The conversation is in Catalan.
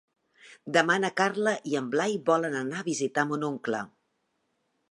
Demà na Carla i en Blai volen anar a visitar mon oncle.